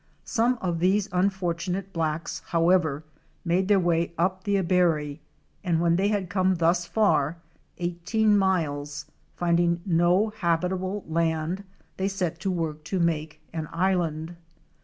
Some of these unfortunate blacks, however, made their way up the Abary and when they had come thus far — eighteen miles —finding no habitable land they set to work to make an island.